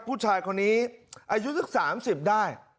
ผู้ชายคนนี้อายุสัก๓๐ได้